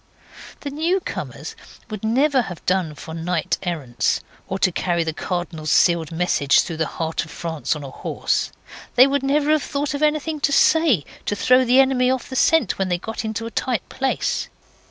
The newcomers would never have done for knight errants, or to carry the Cardinal's sealed message through the heart of France on a horse; they would never have thought of anything to say to throw the enemy off the scent when they got into a tight place.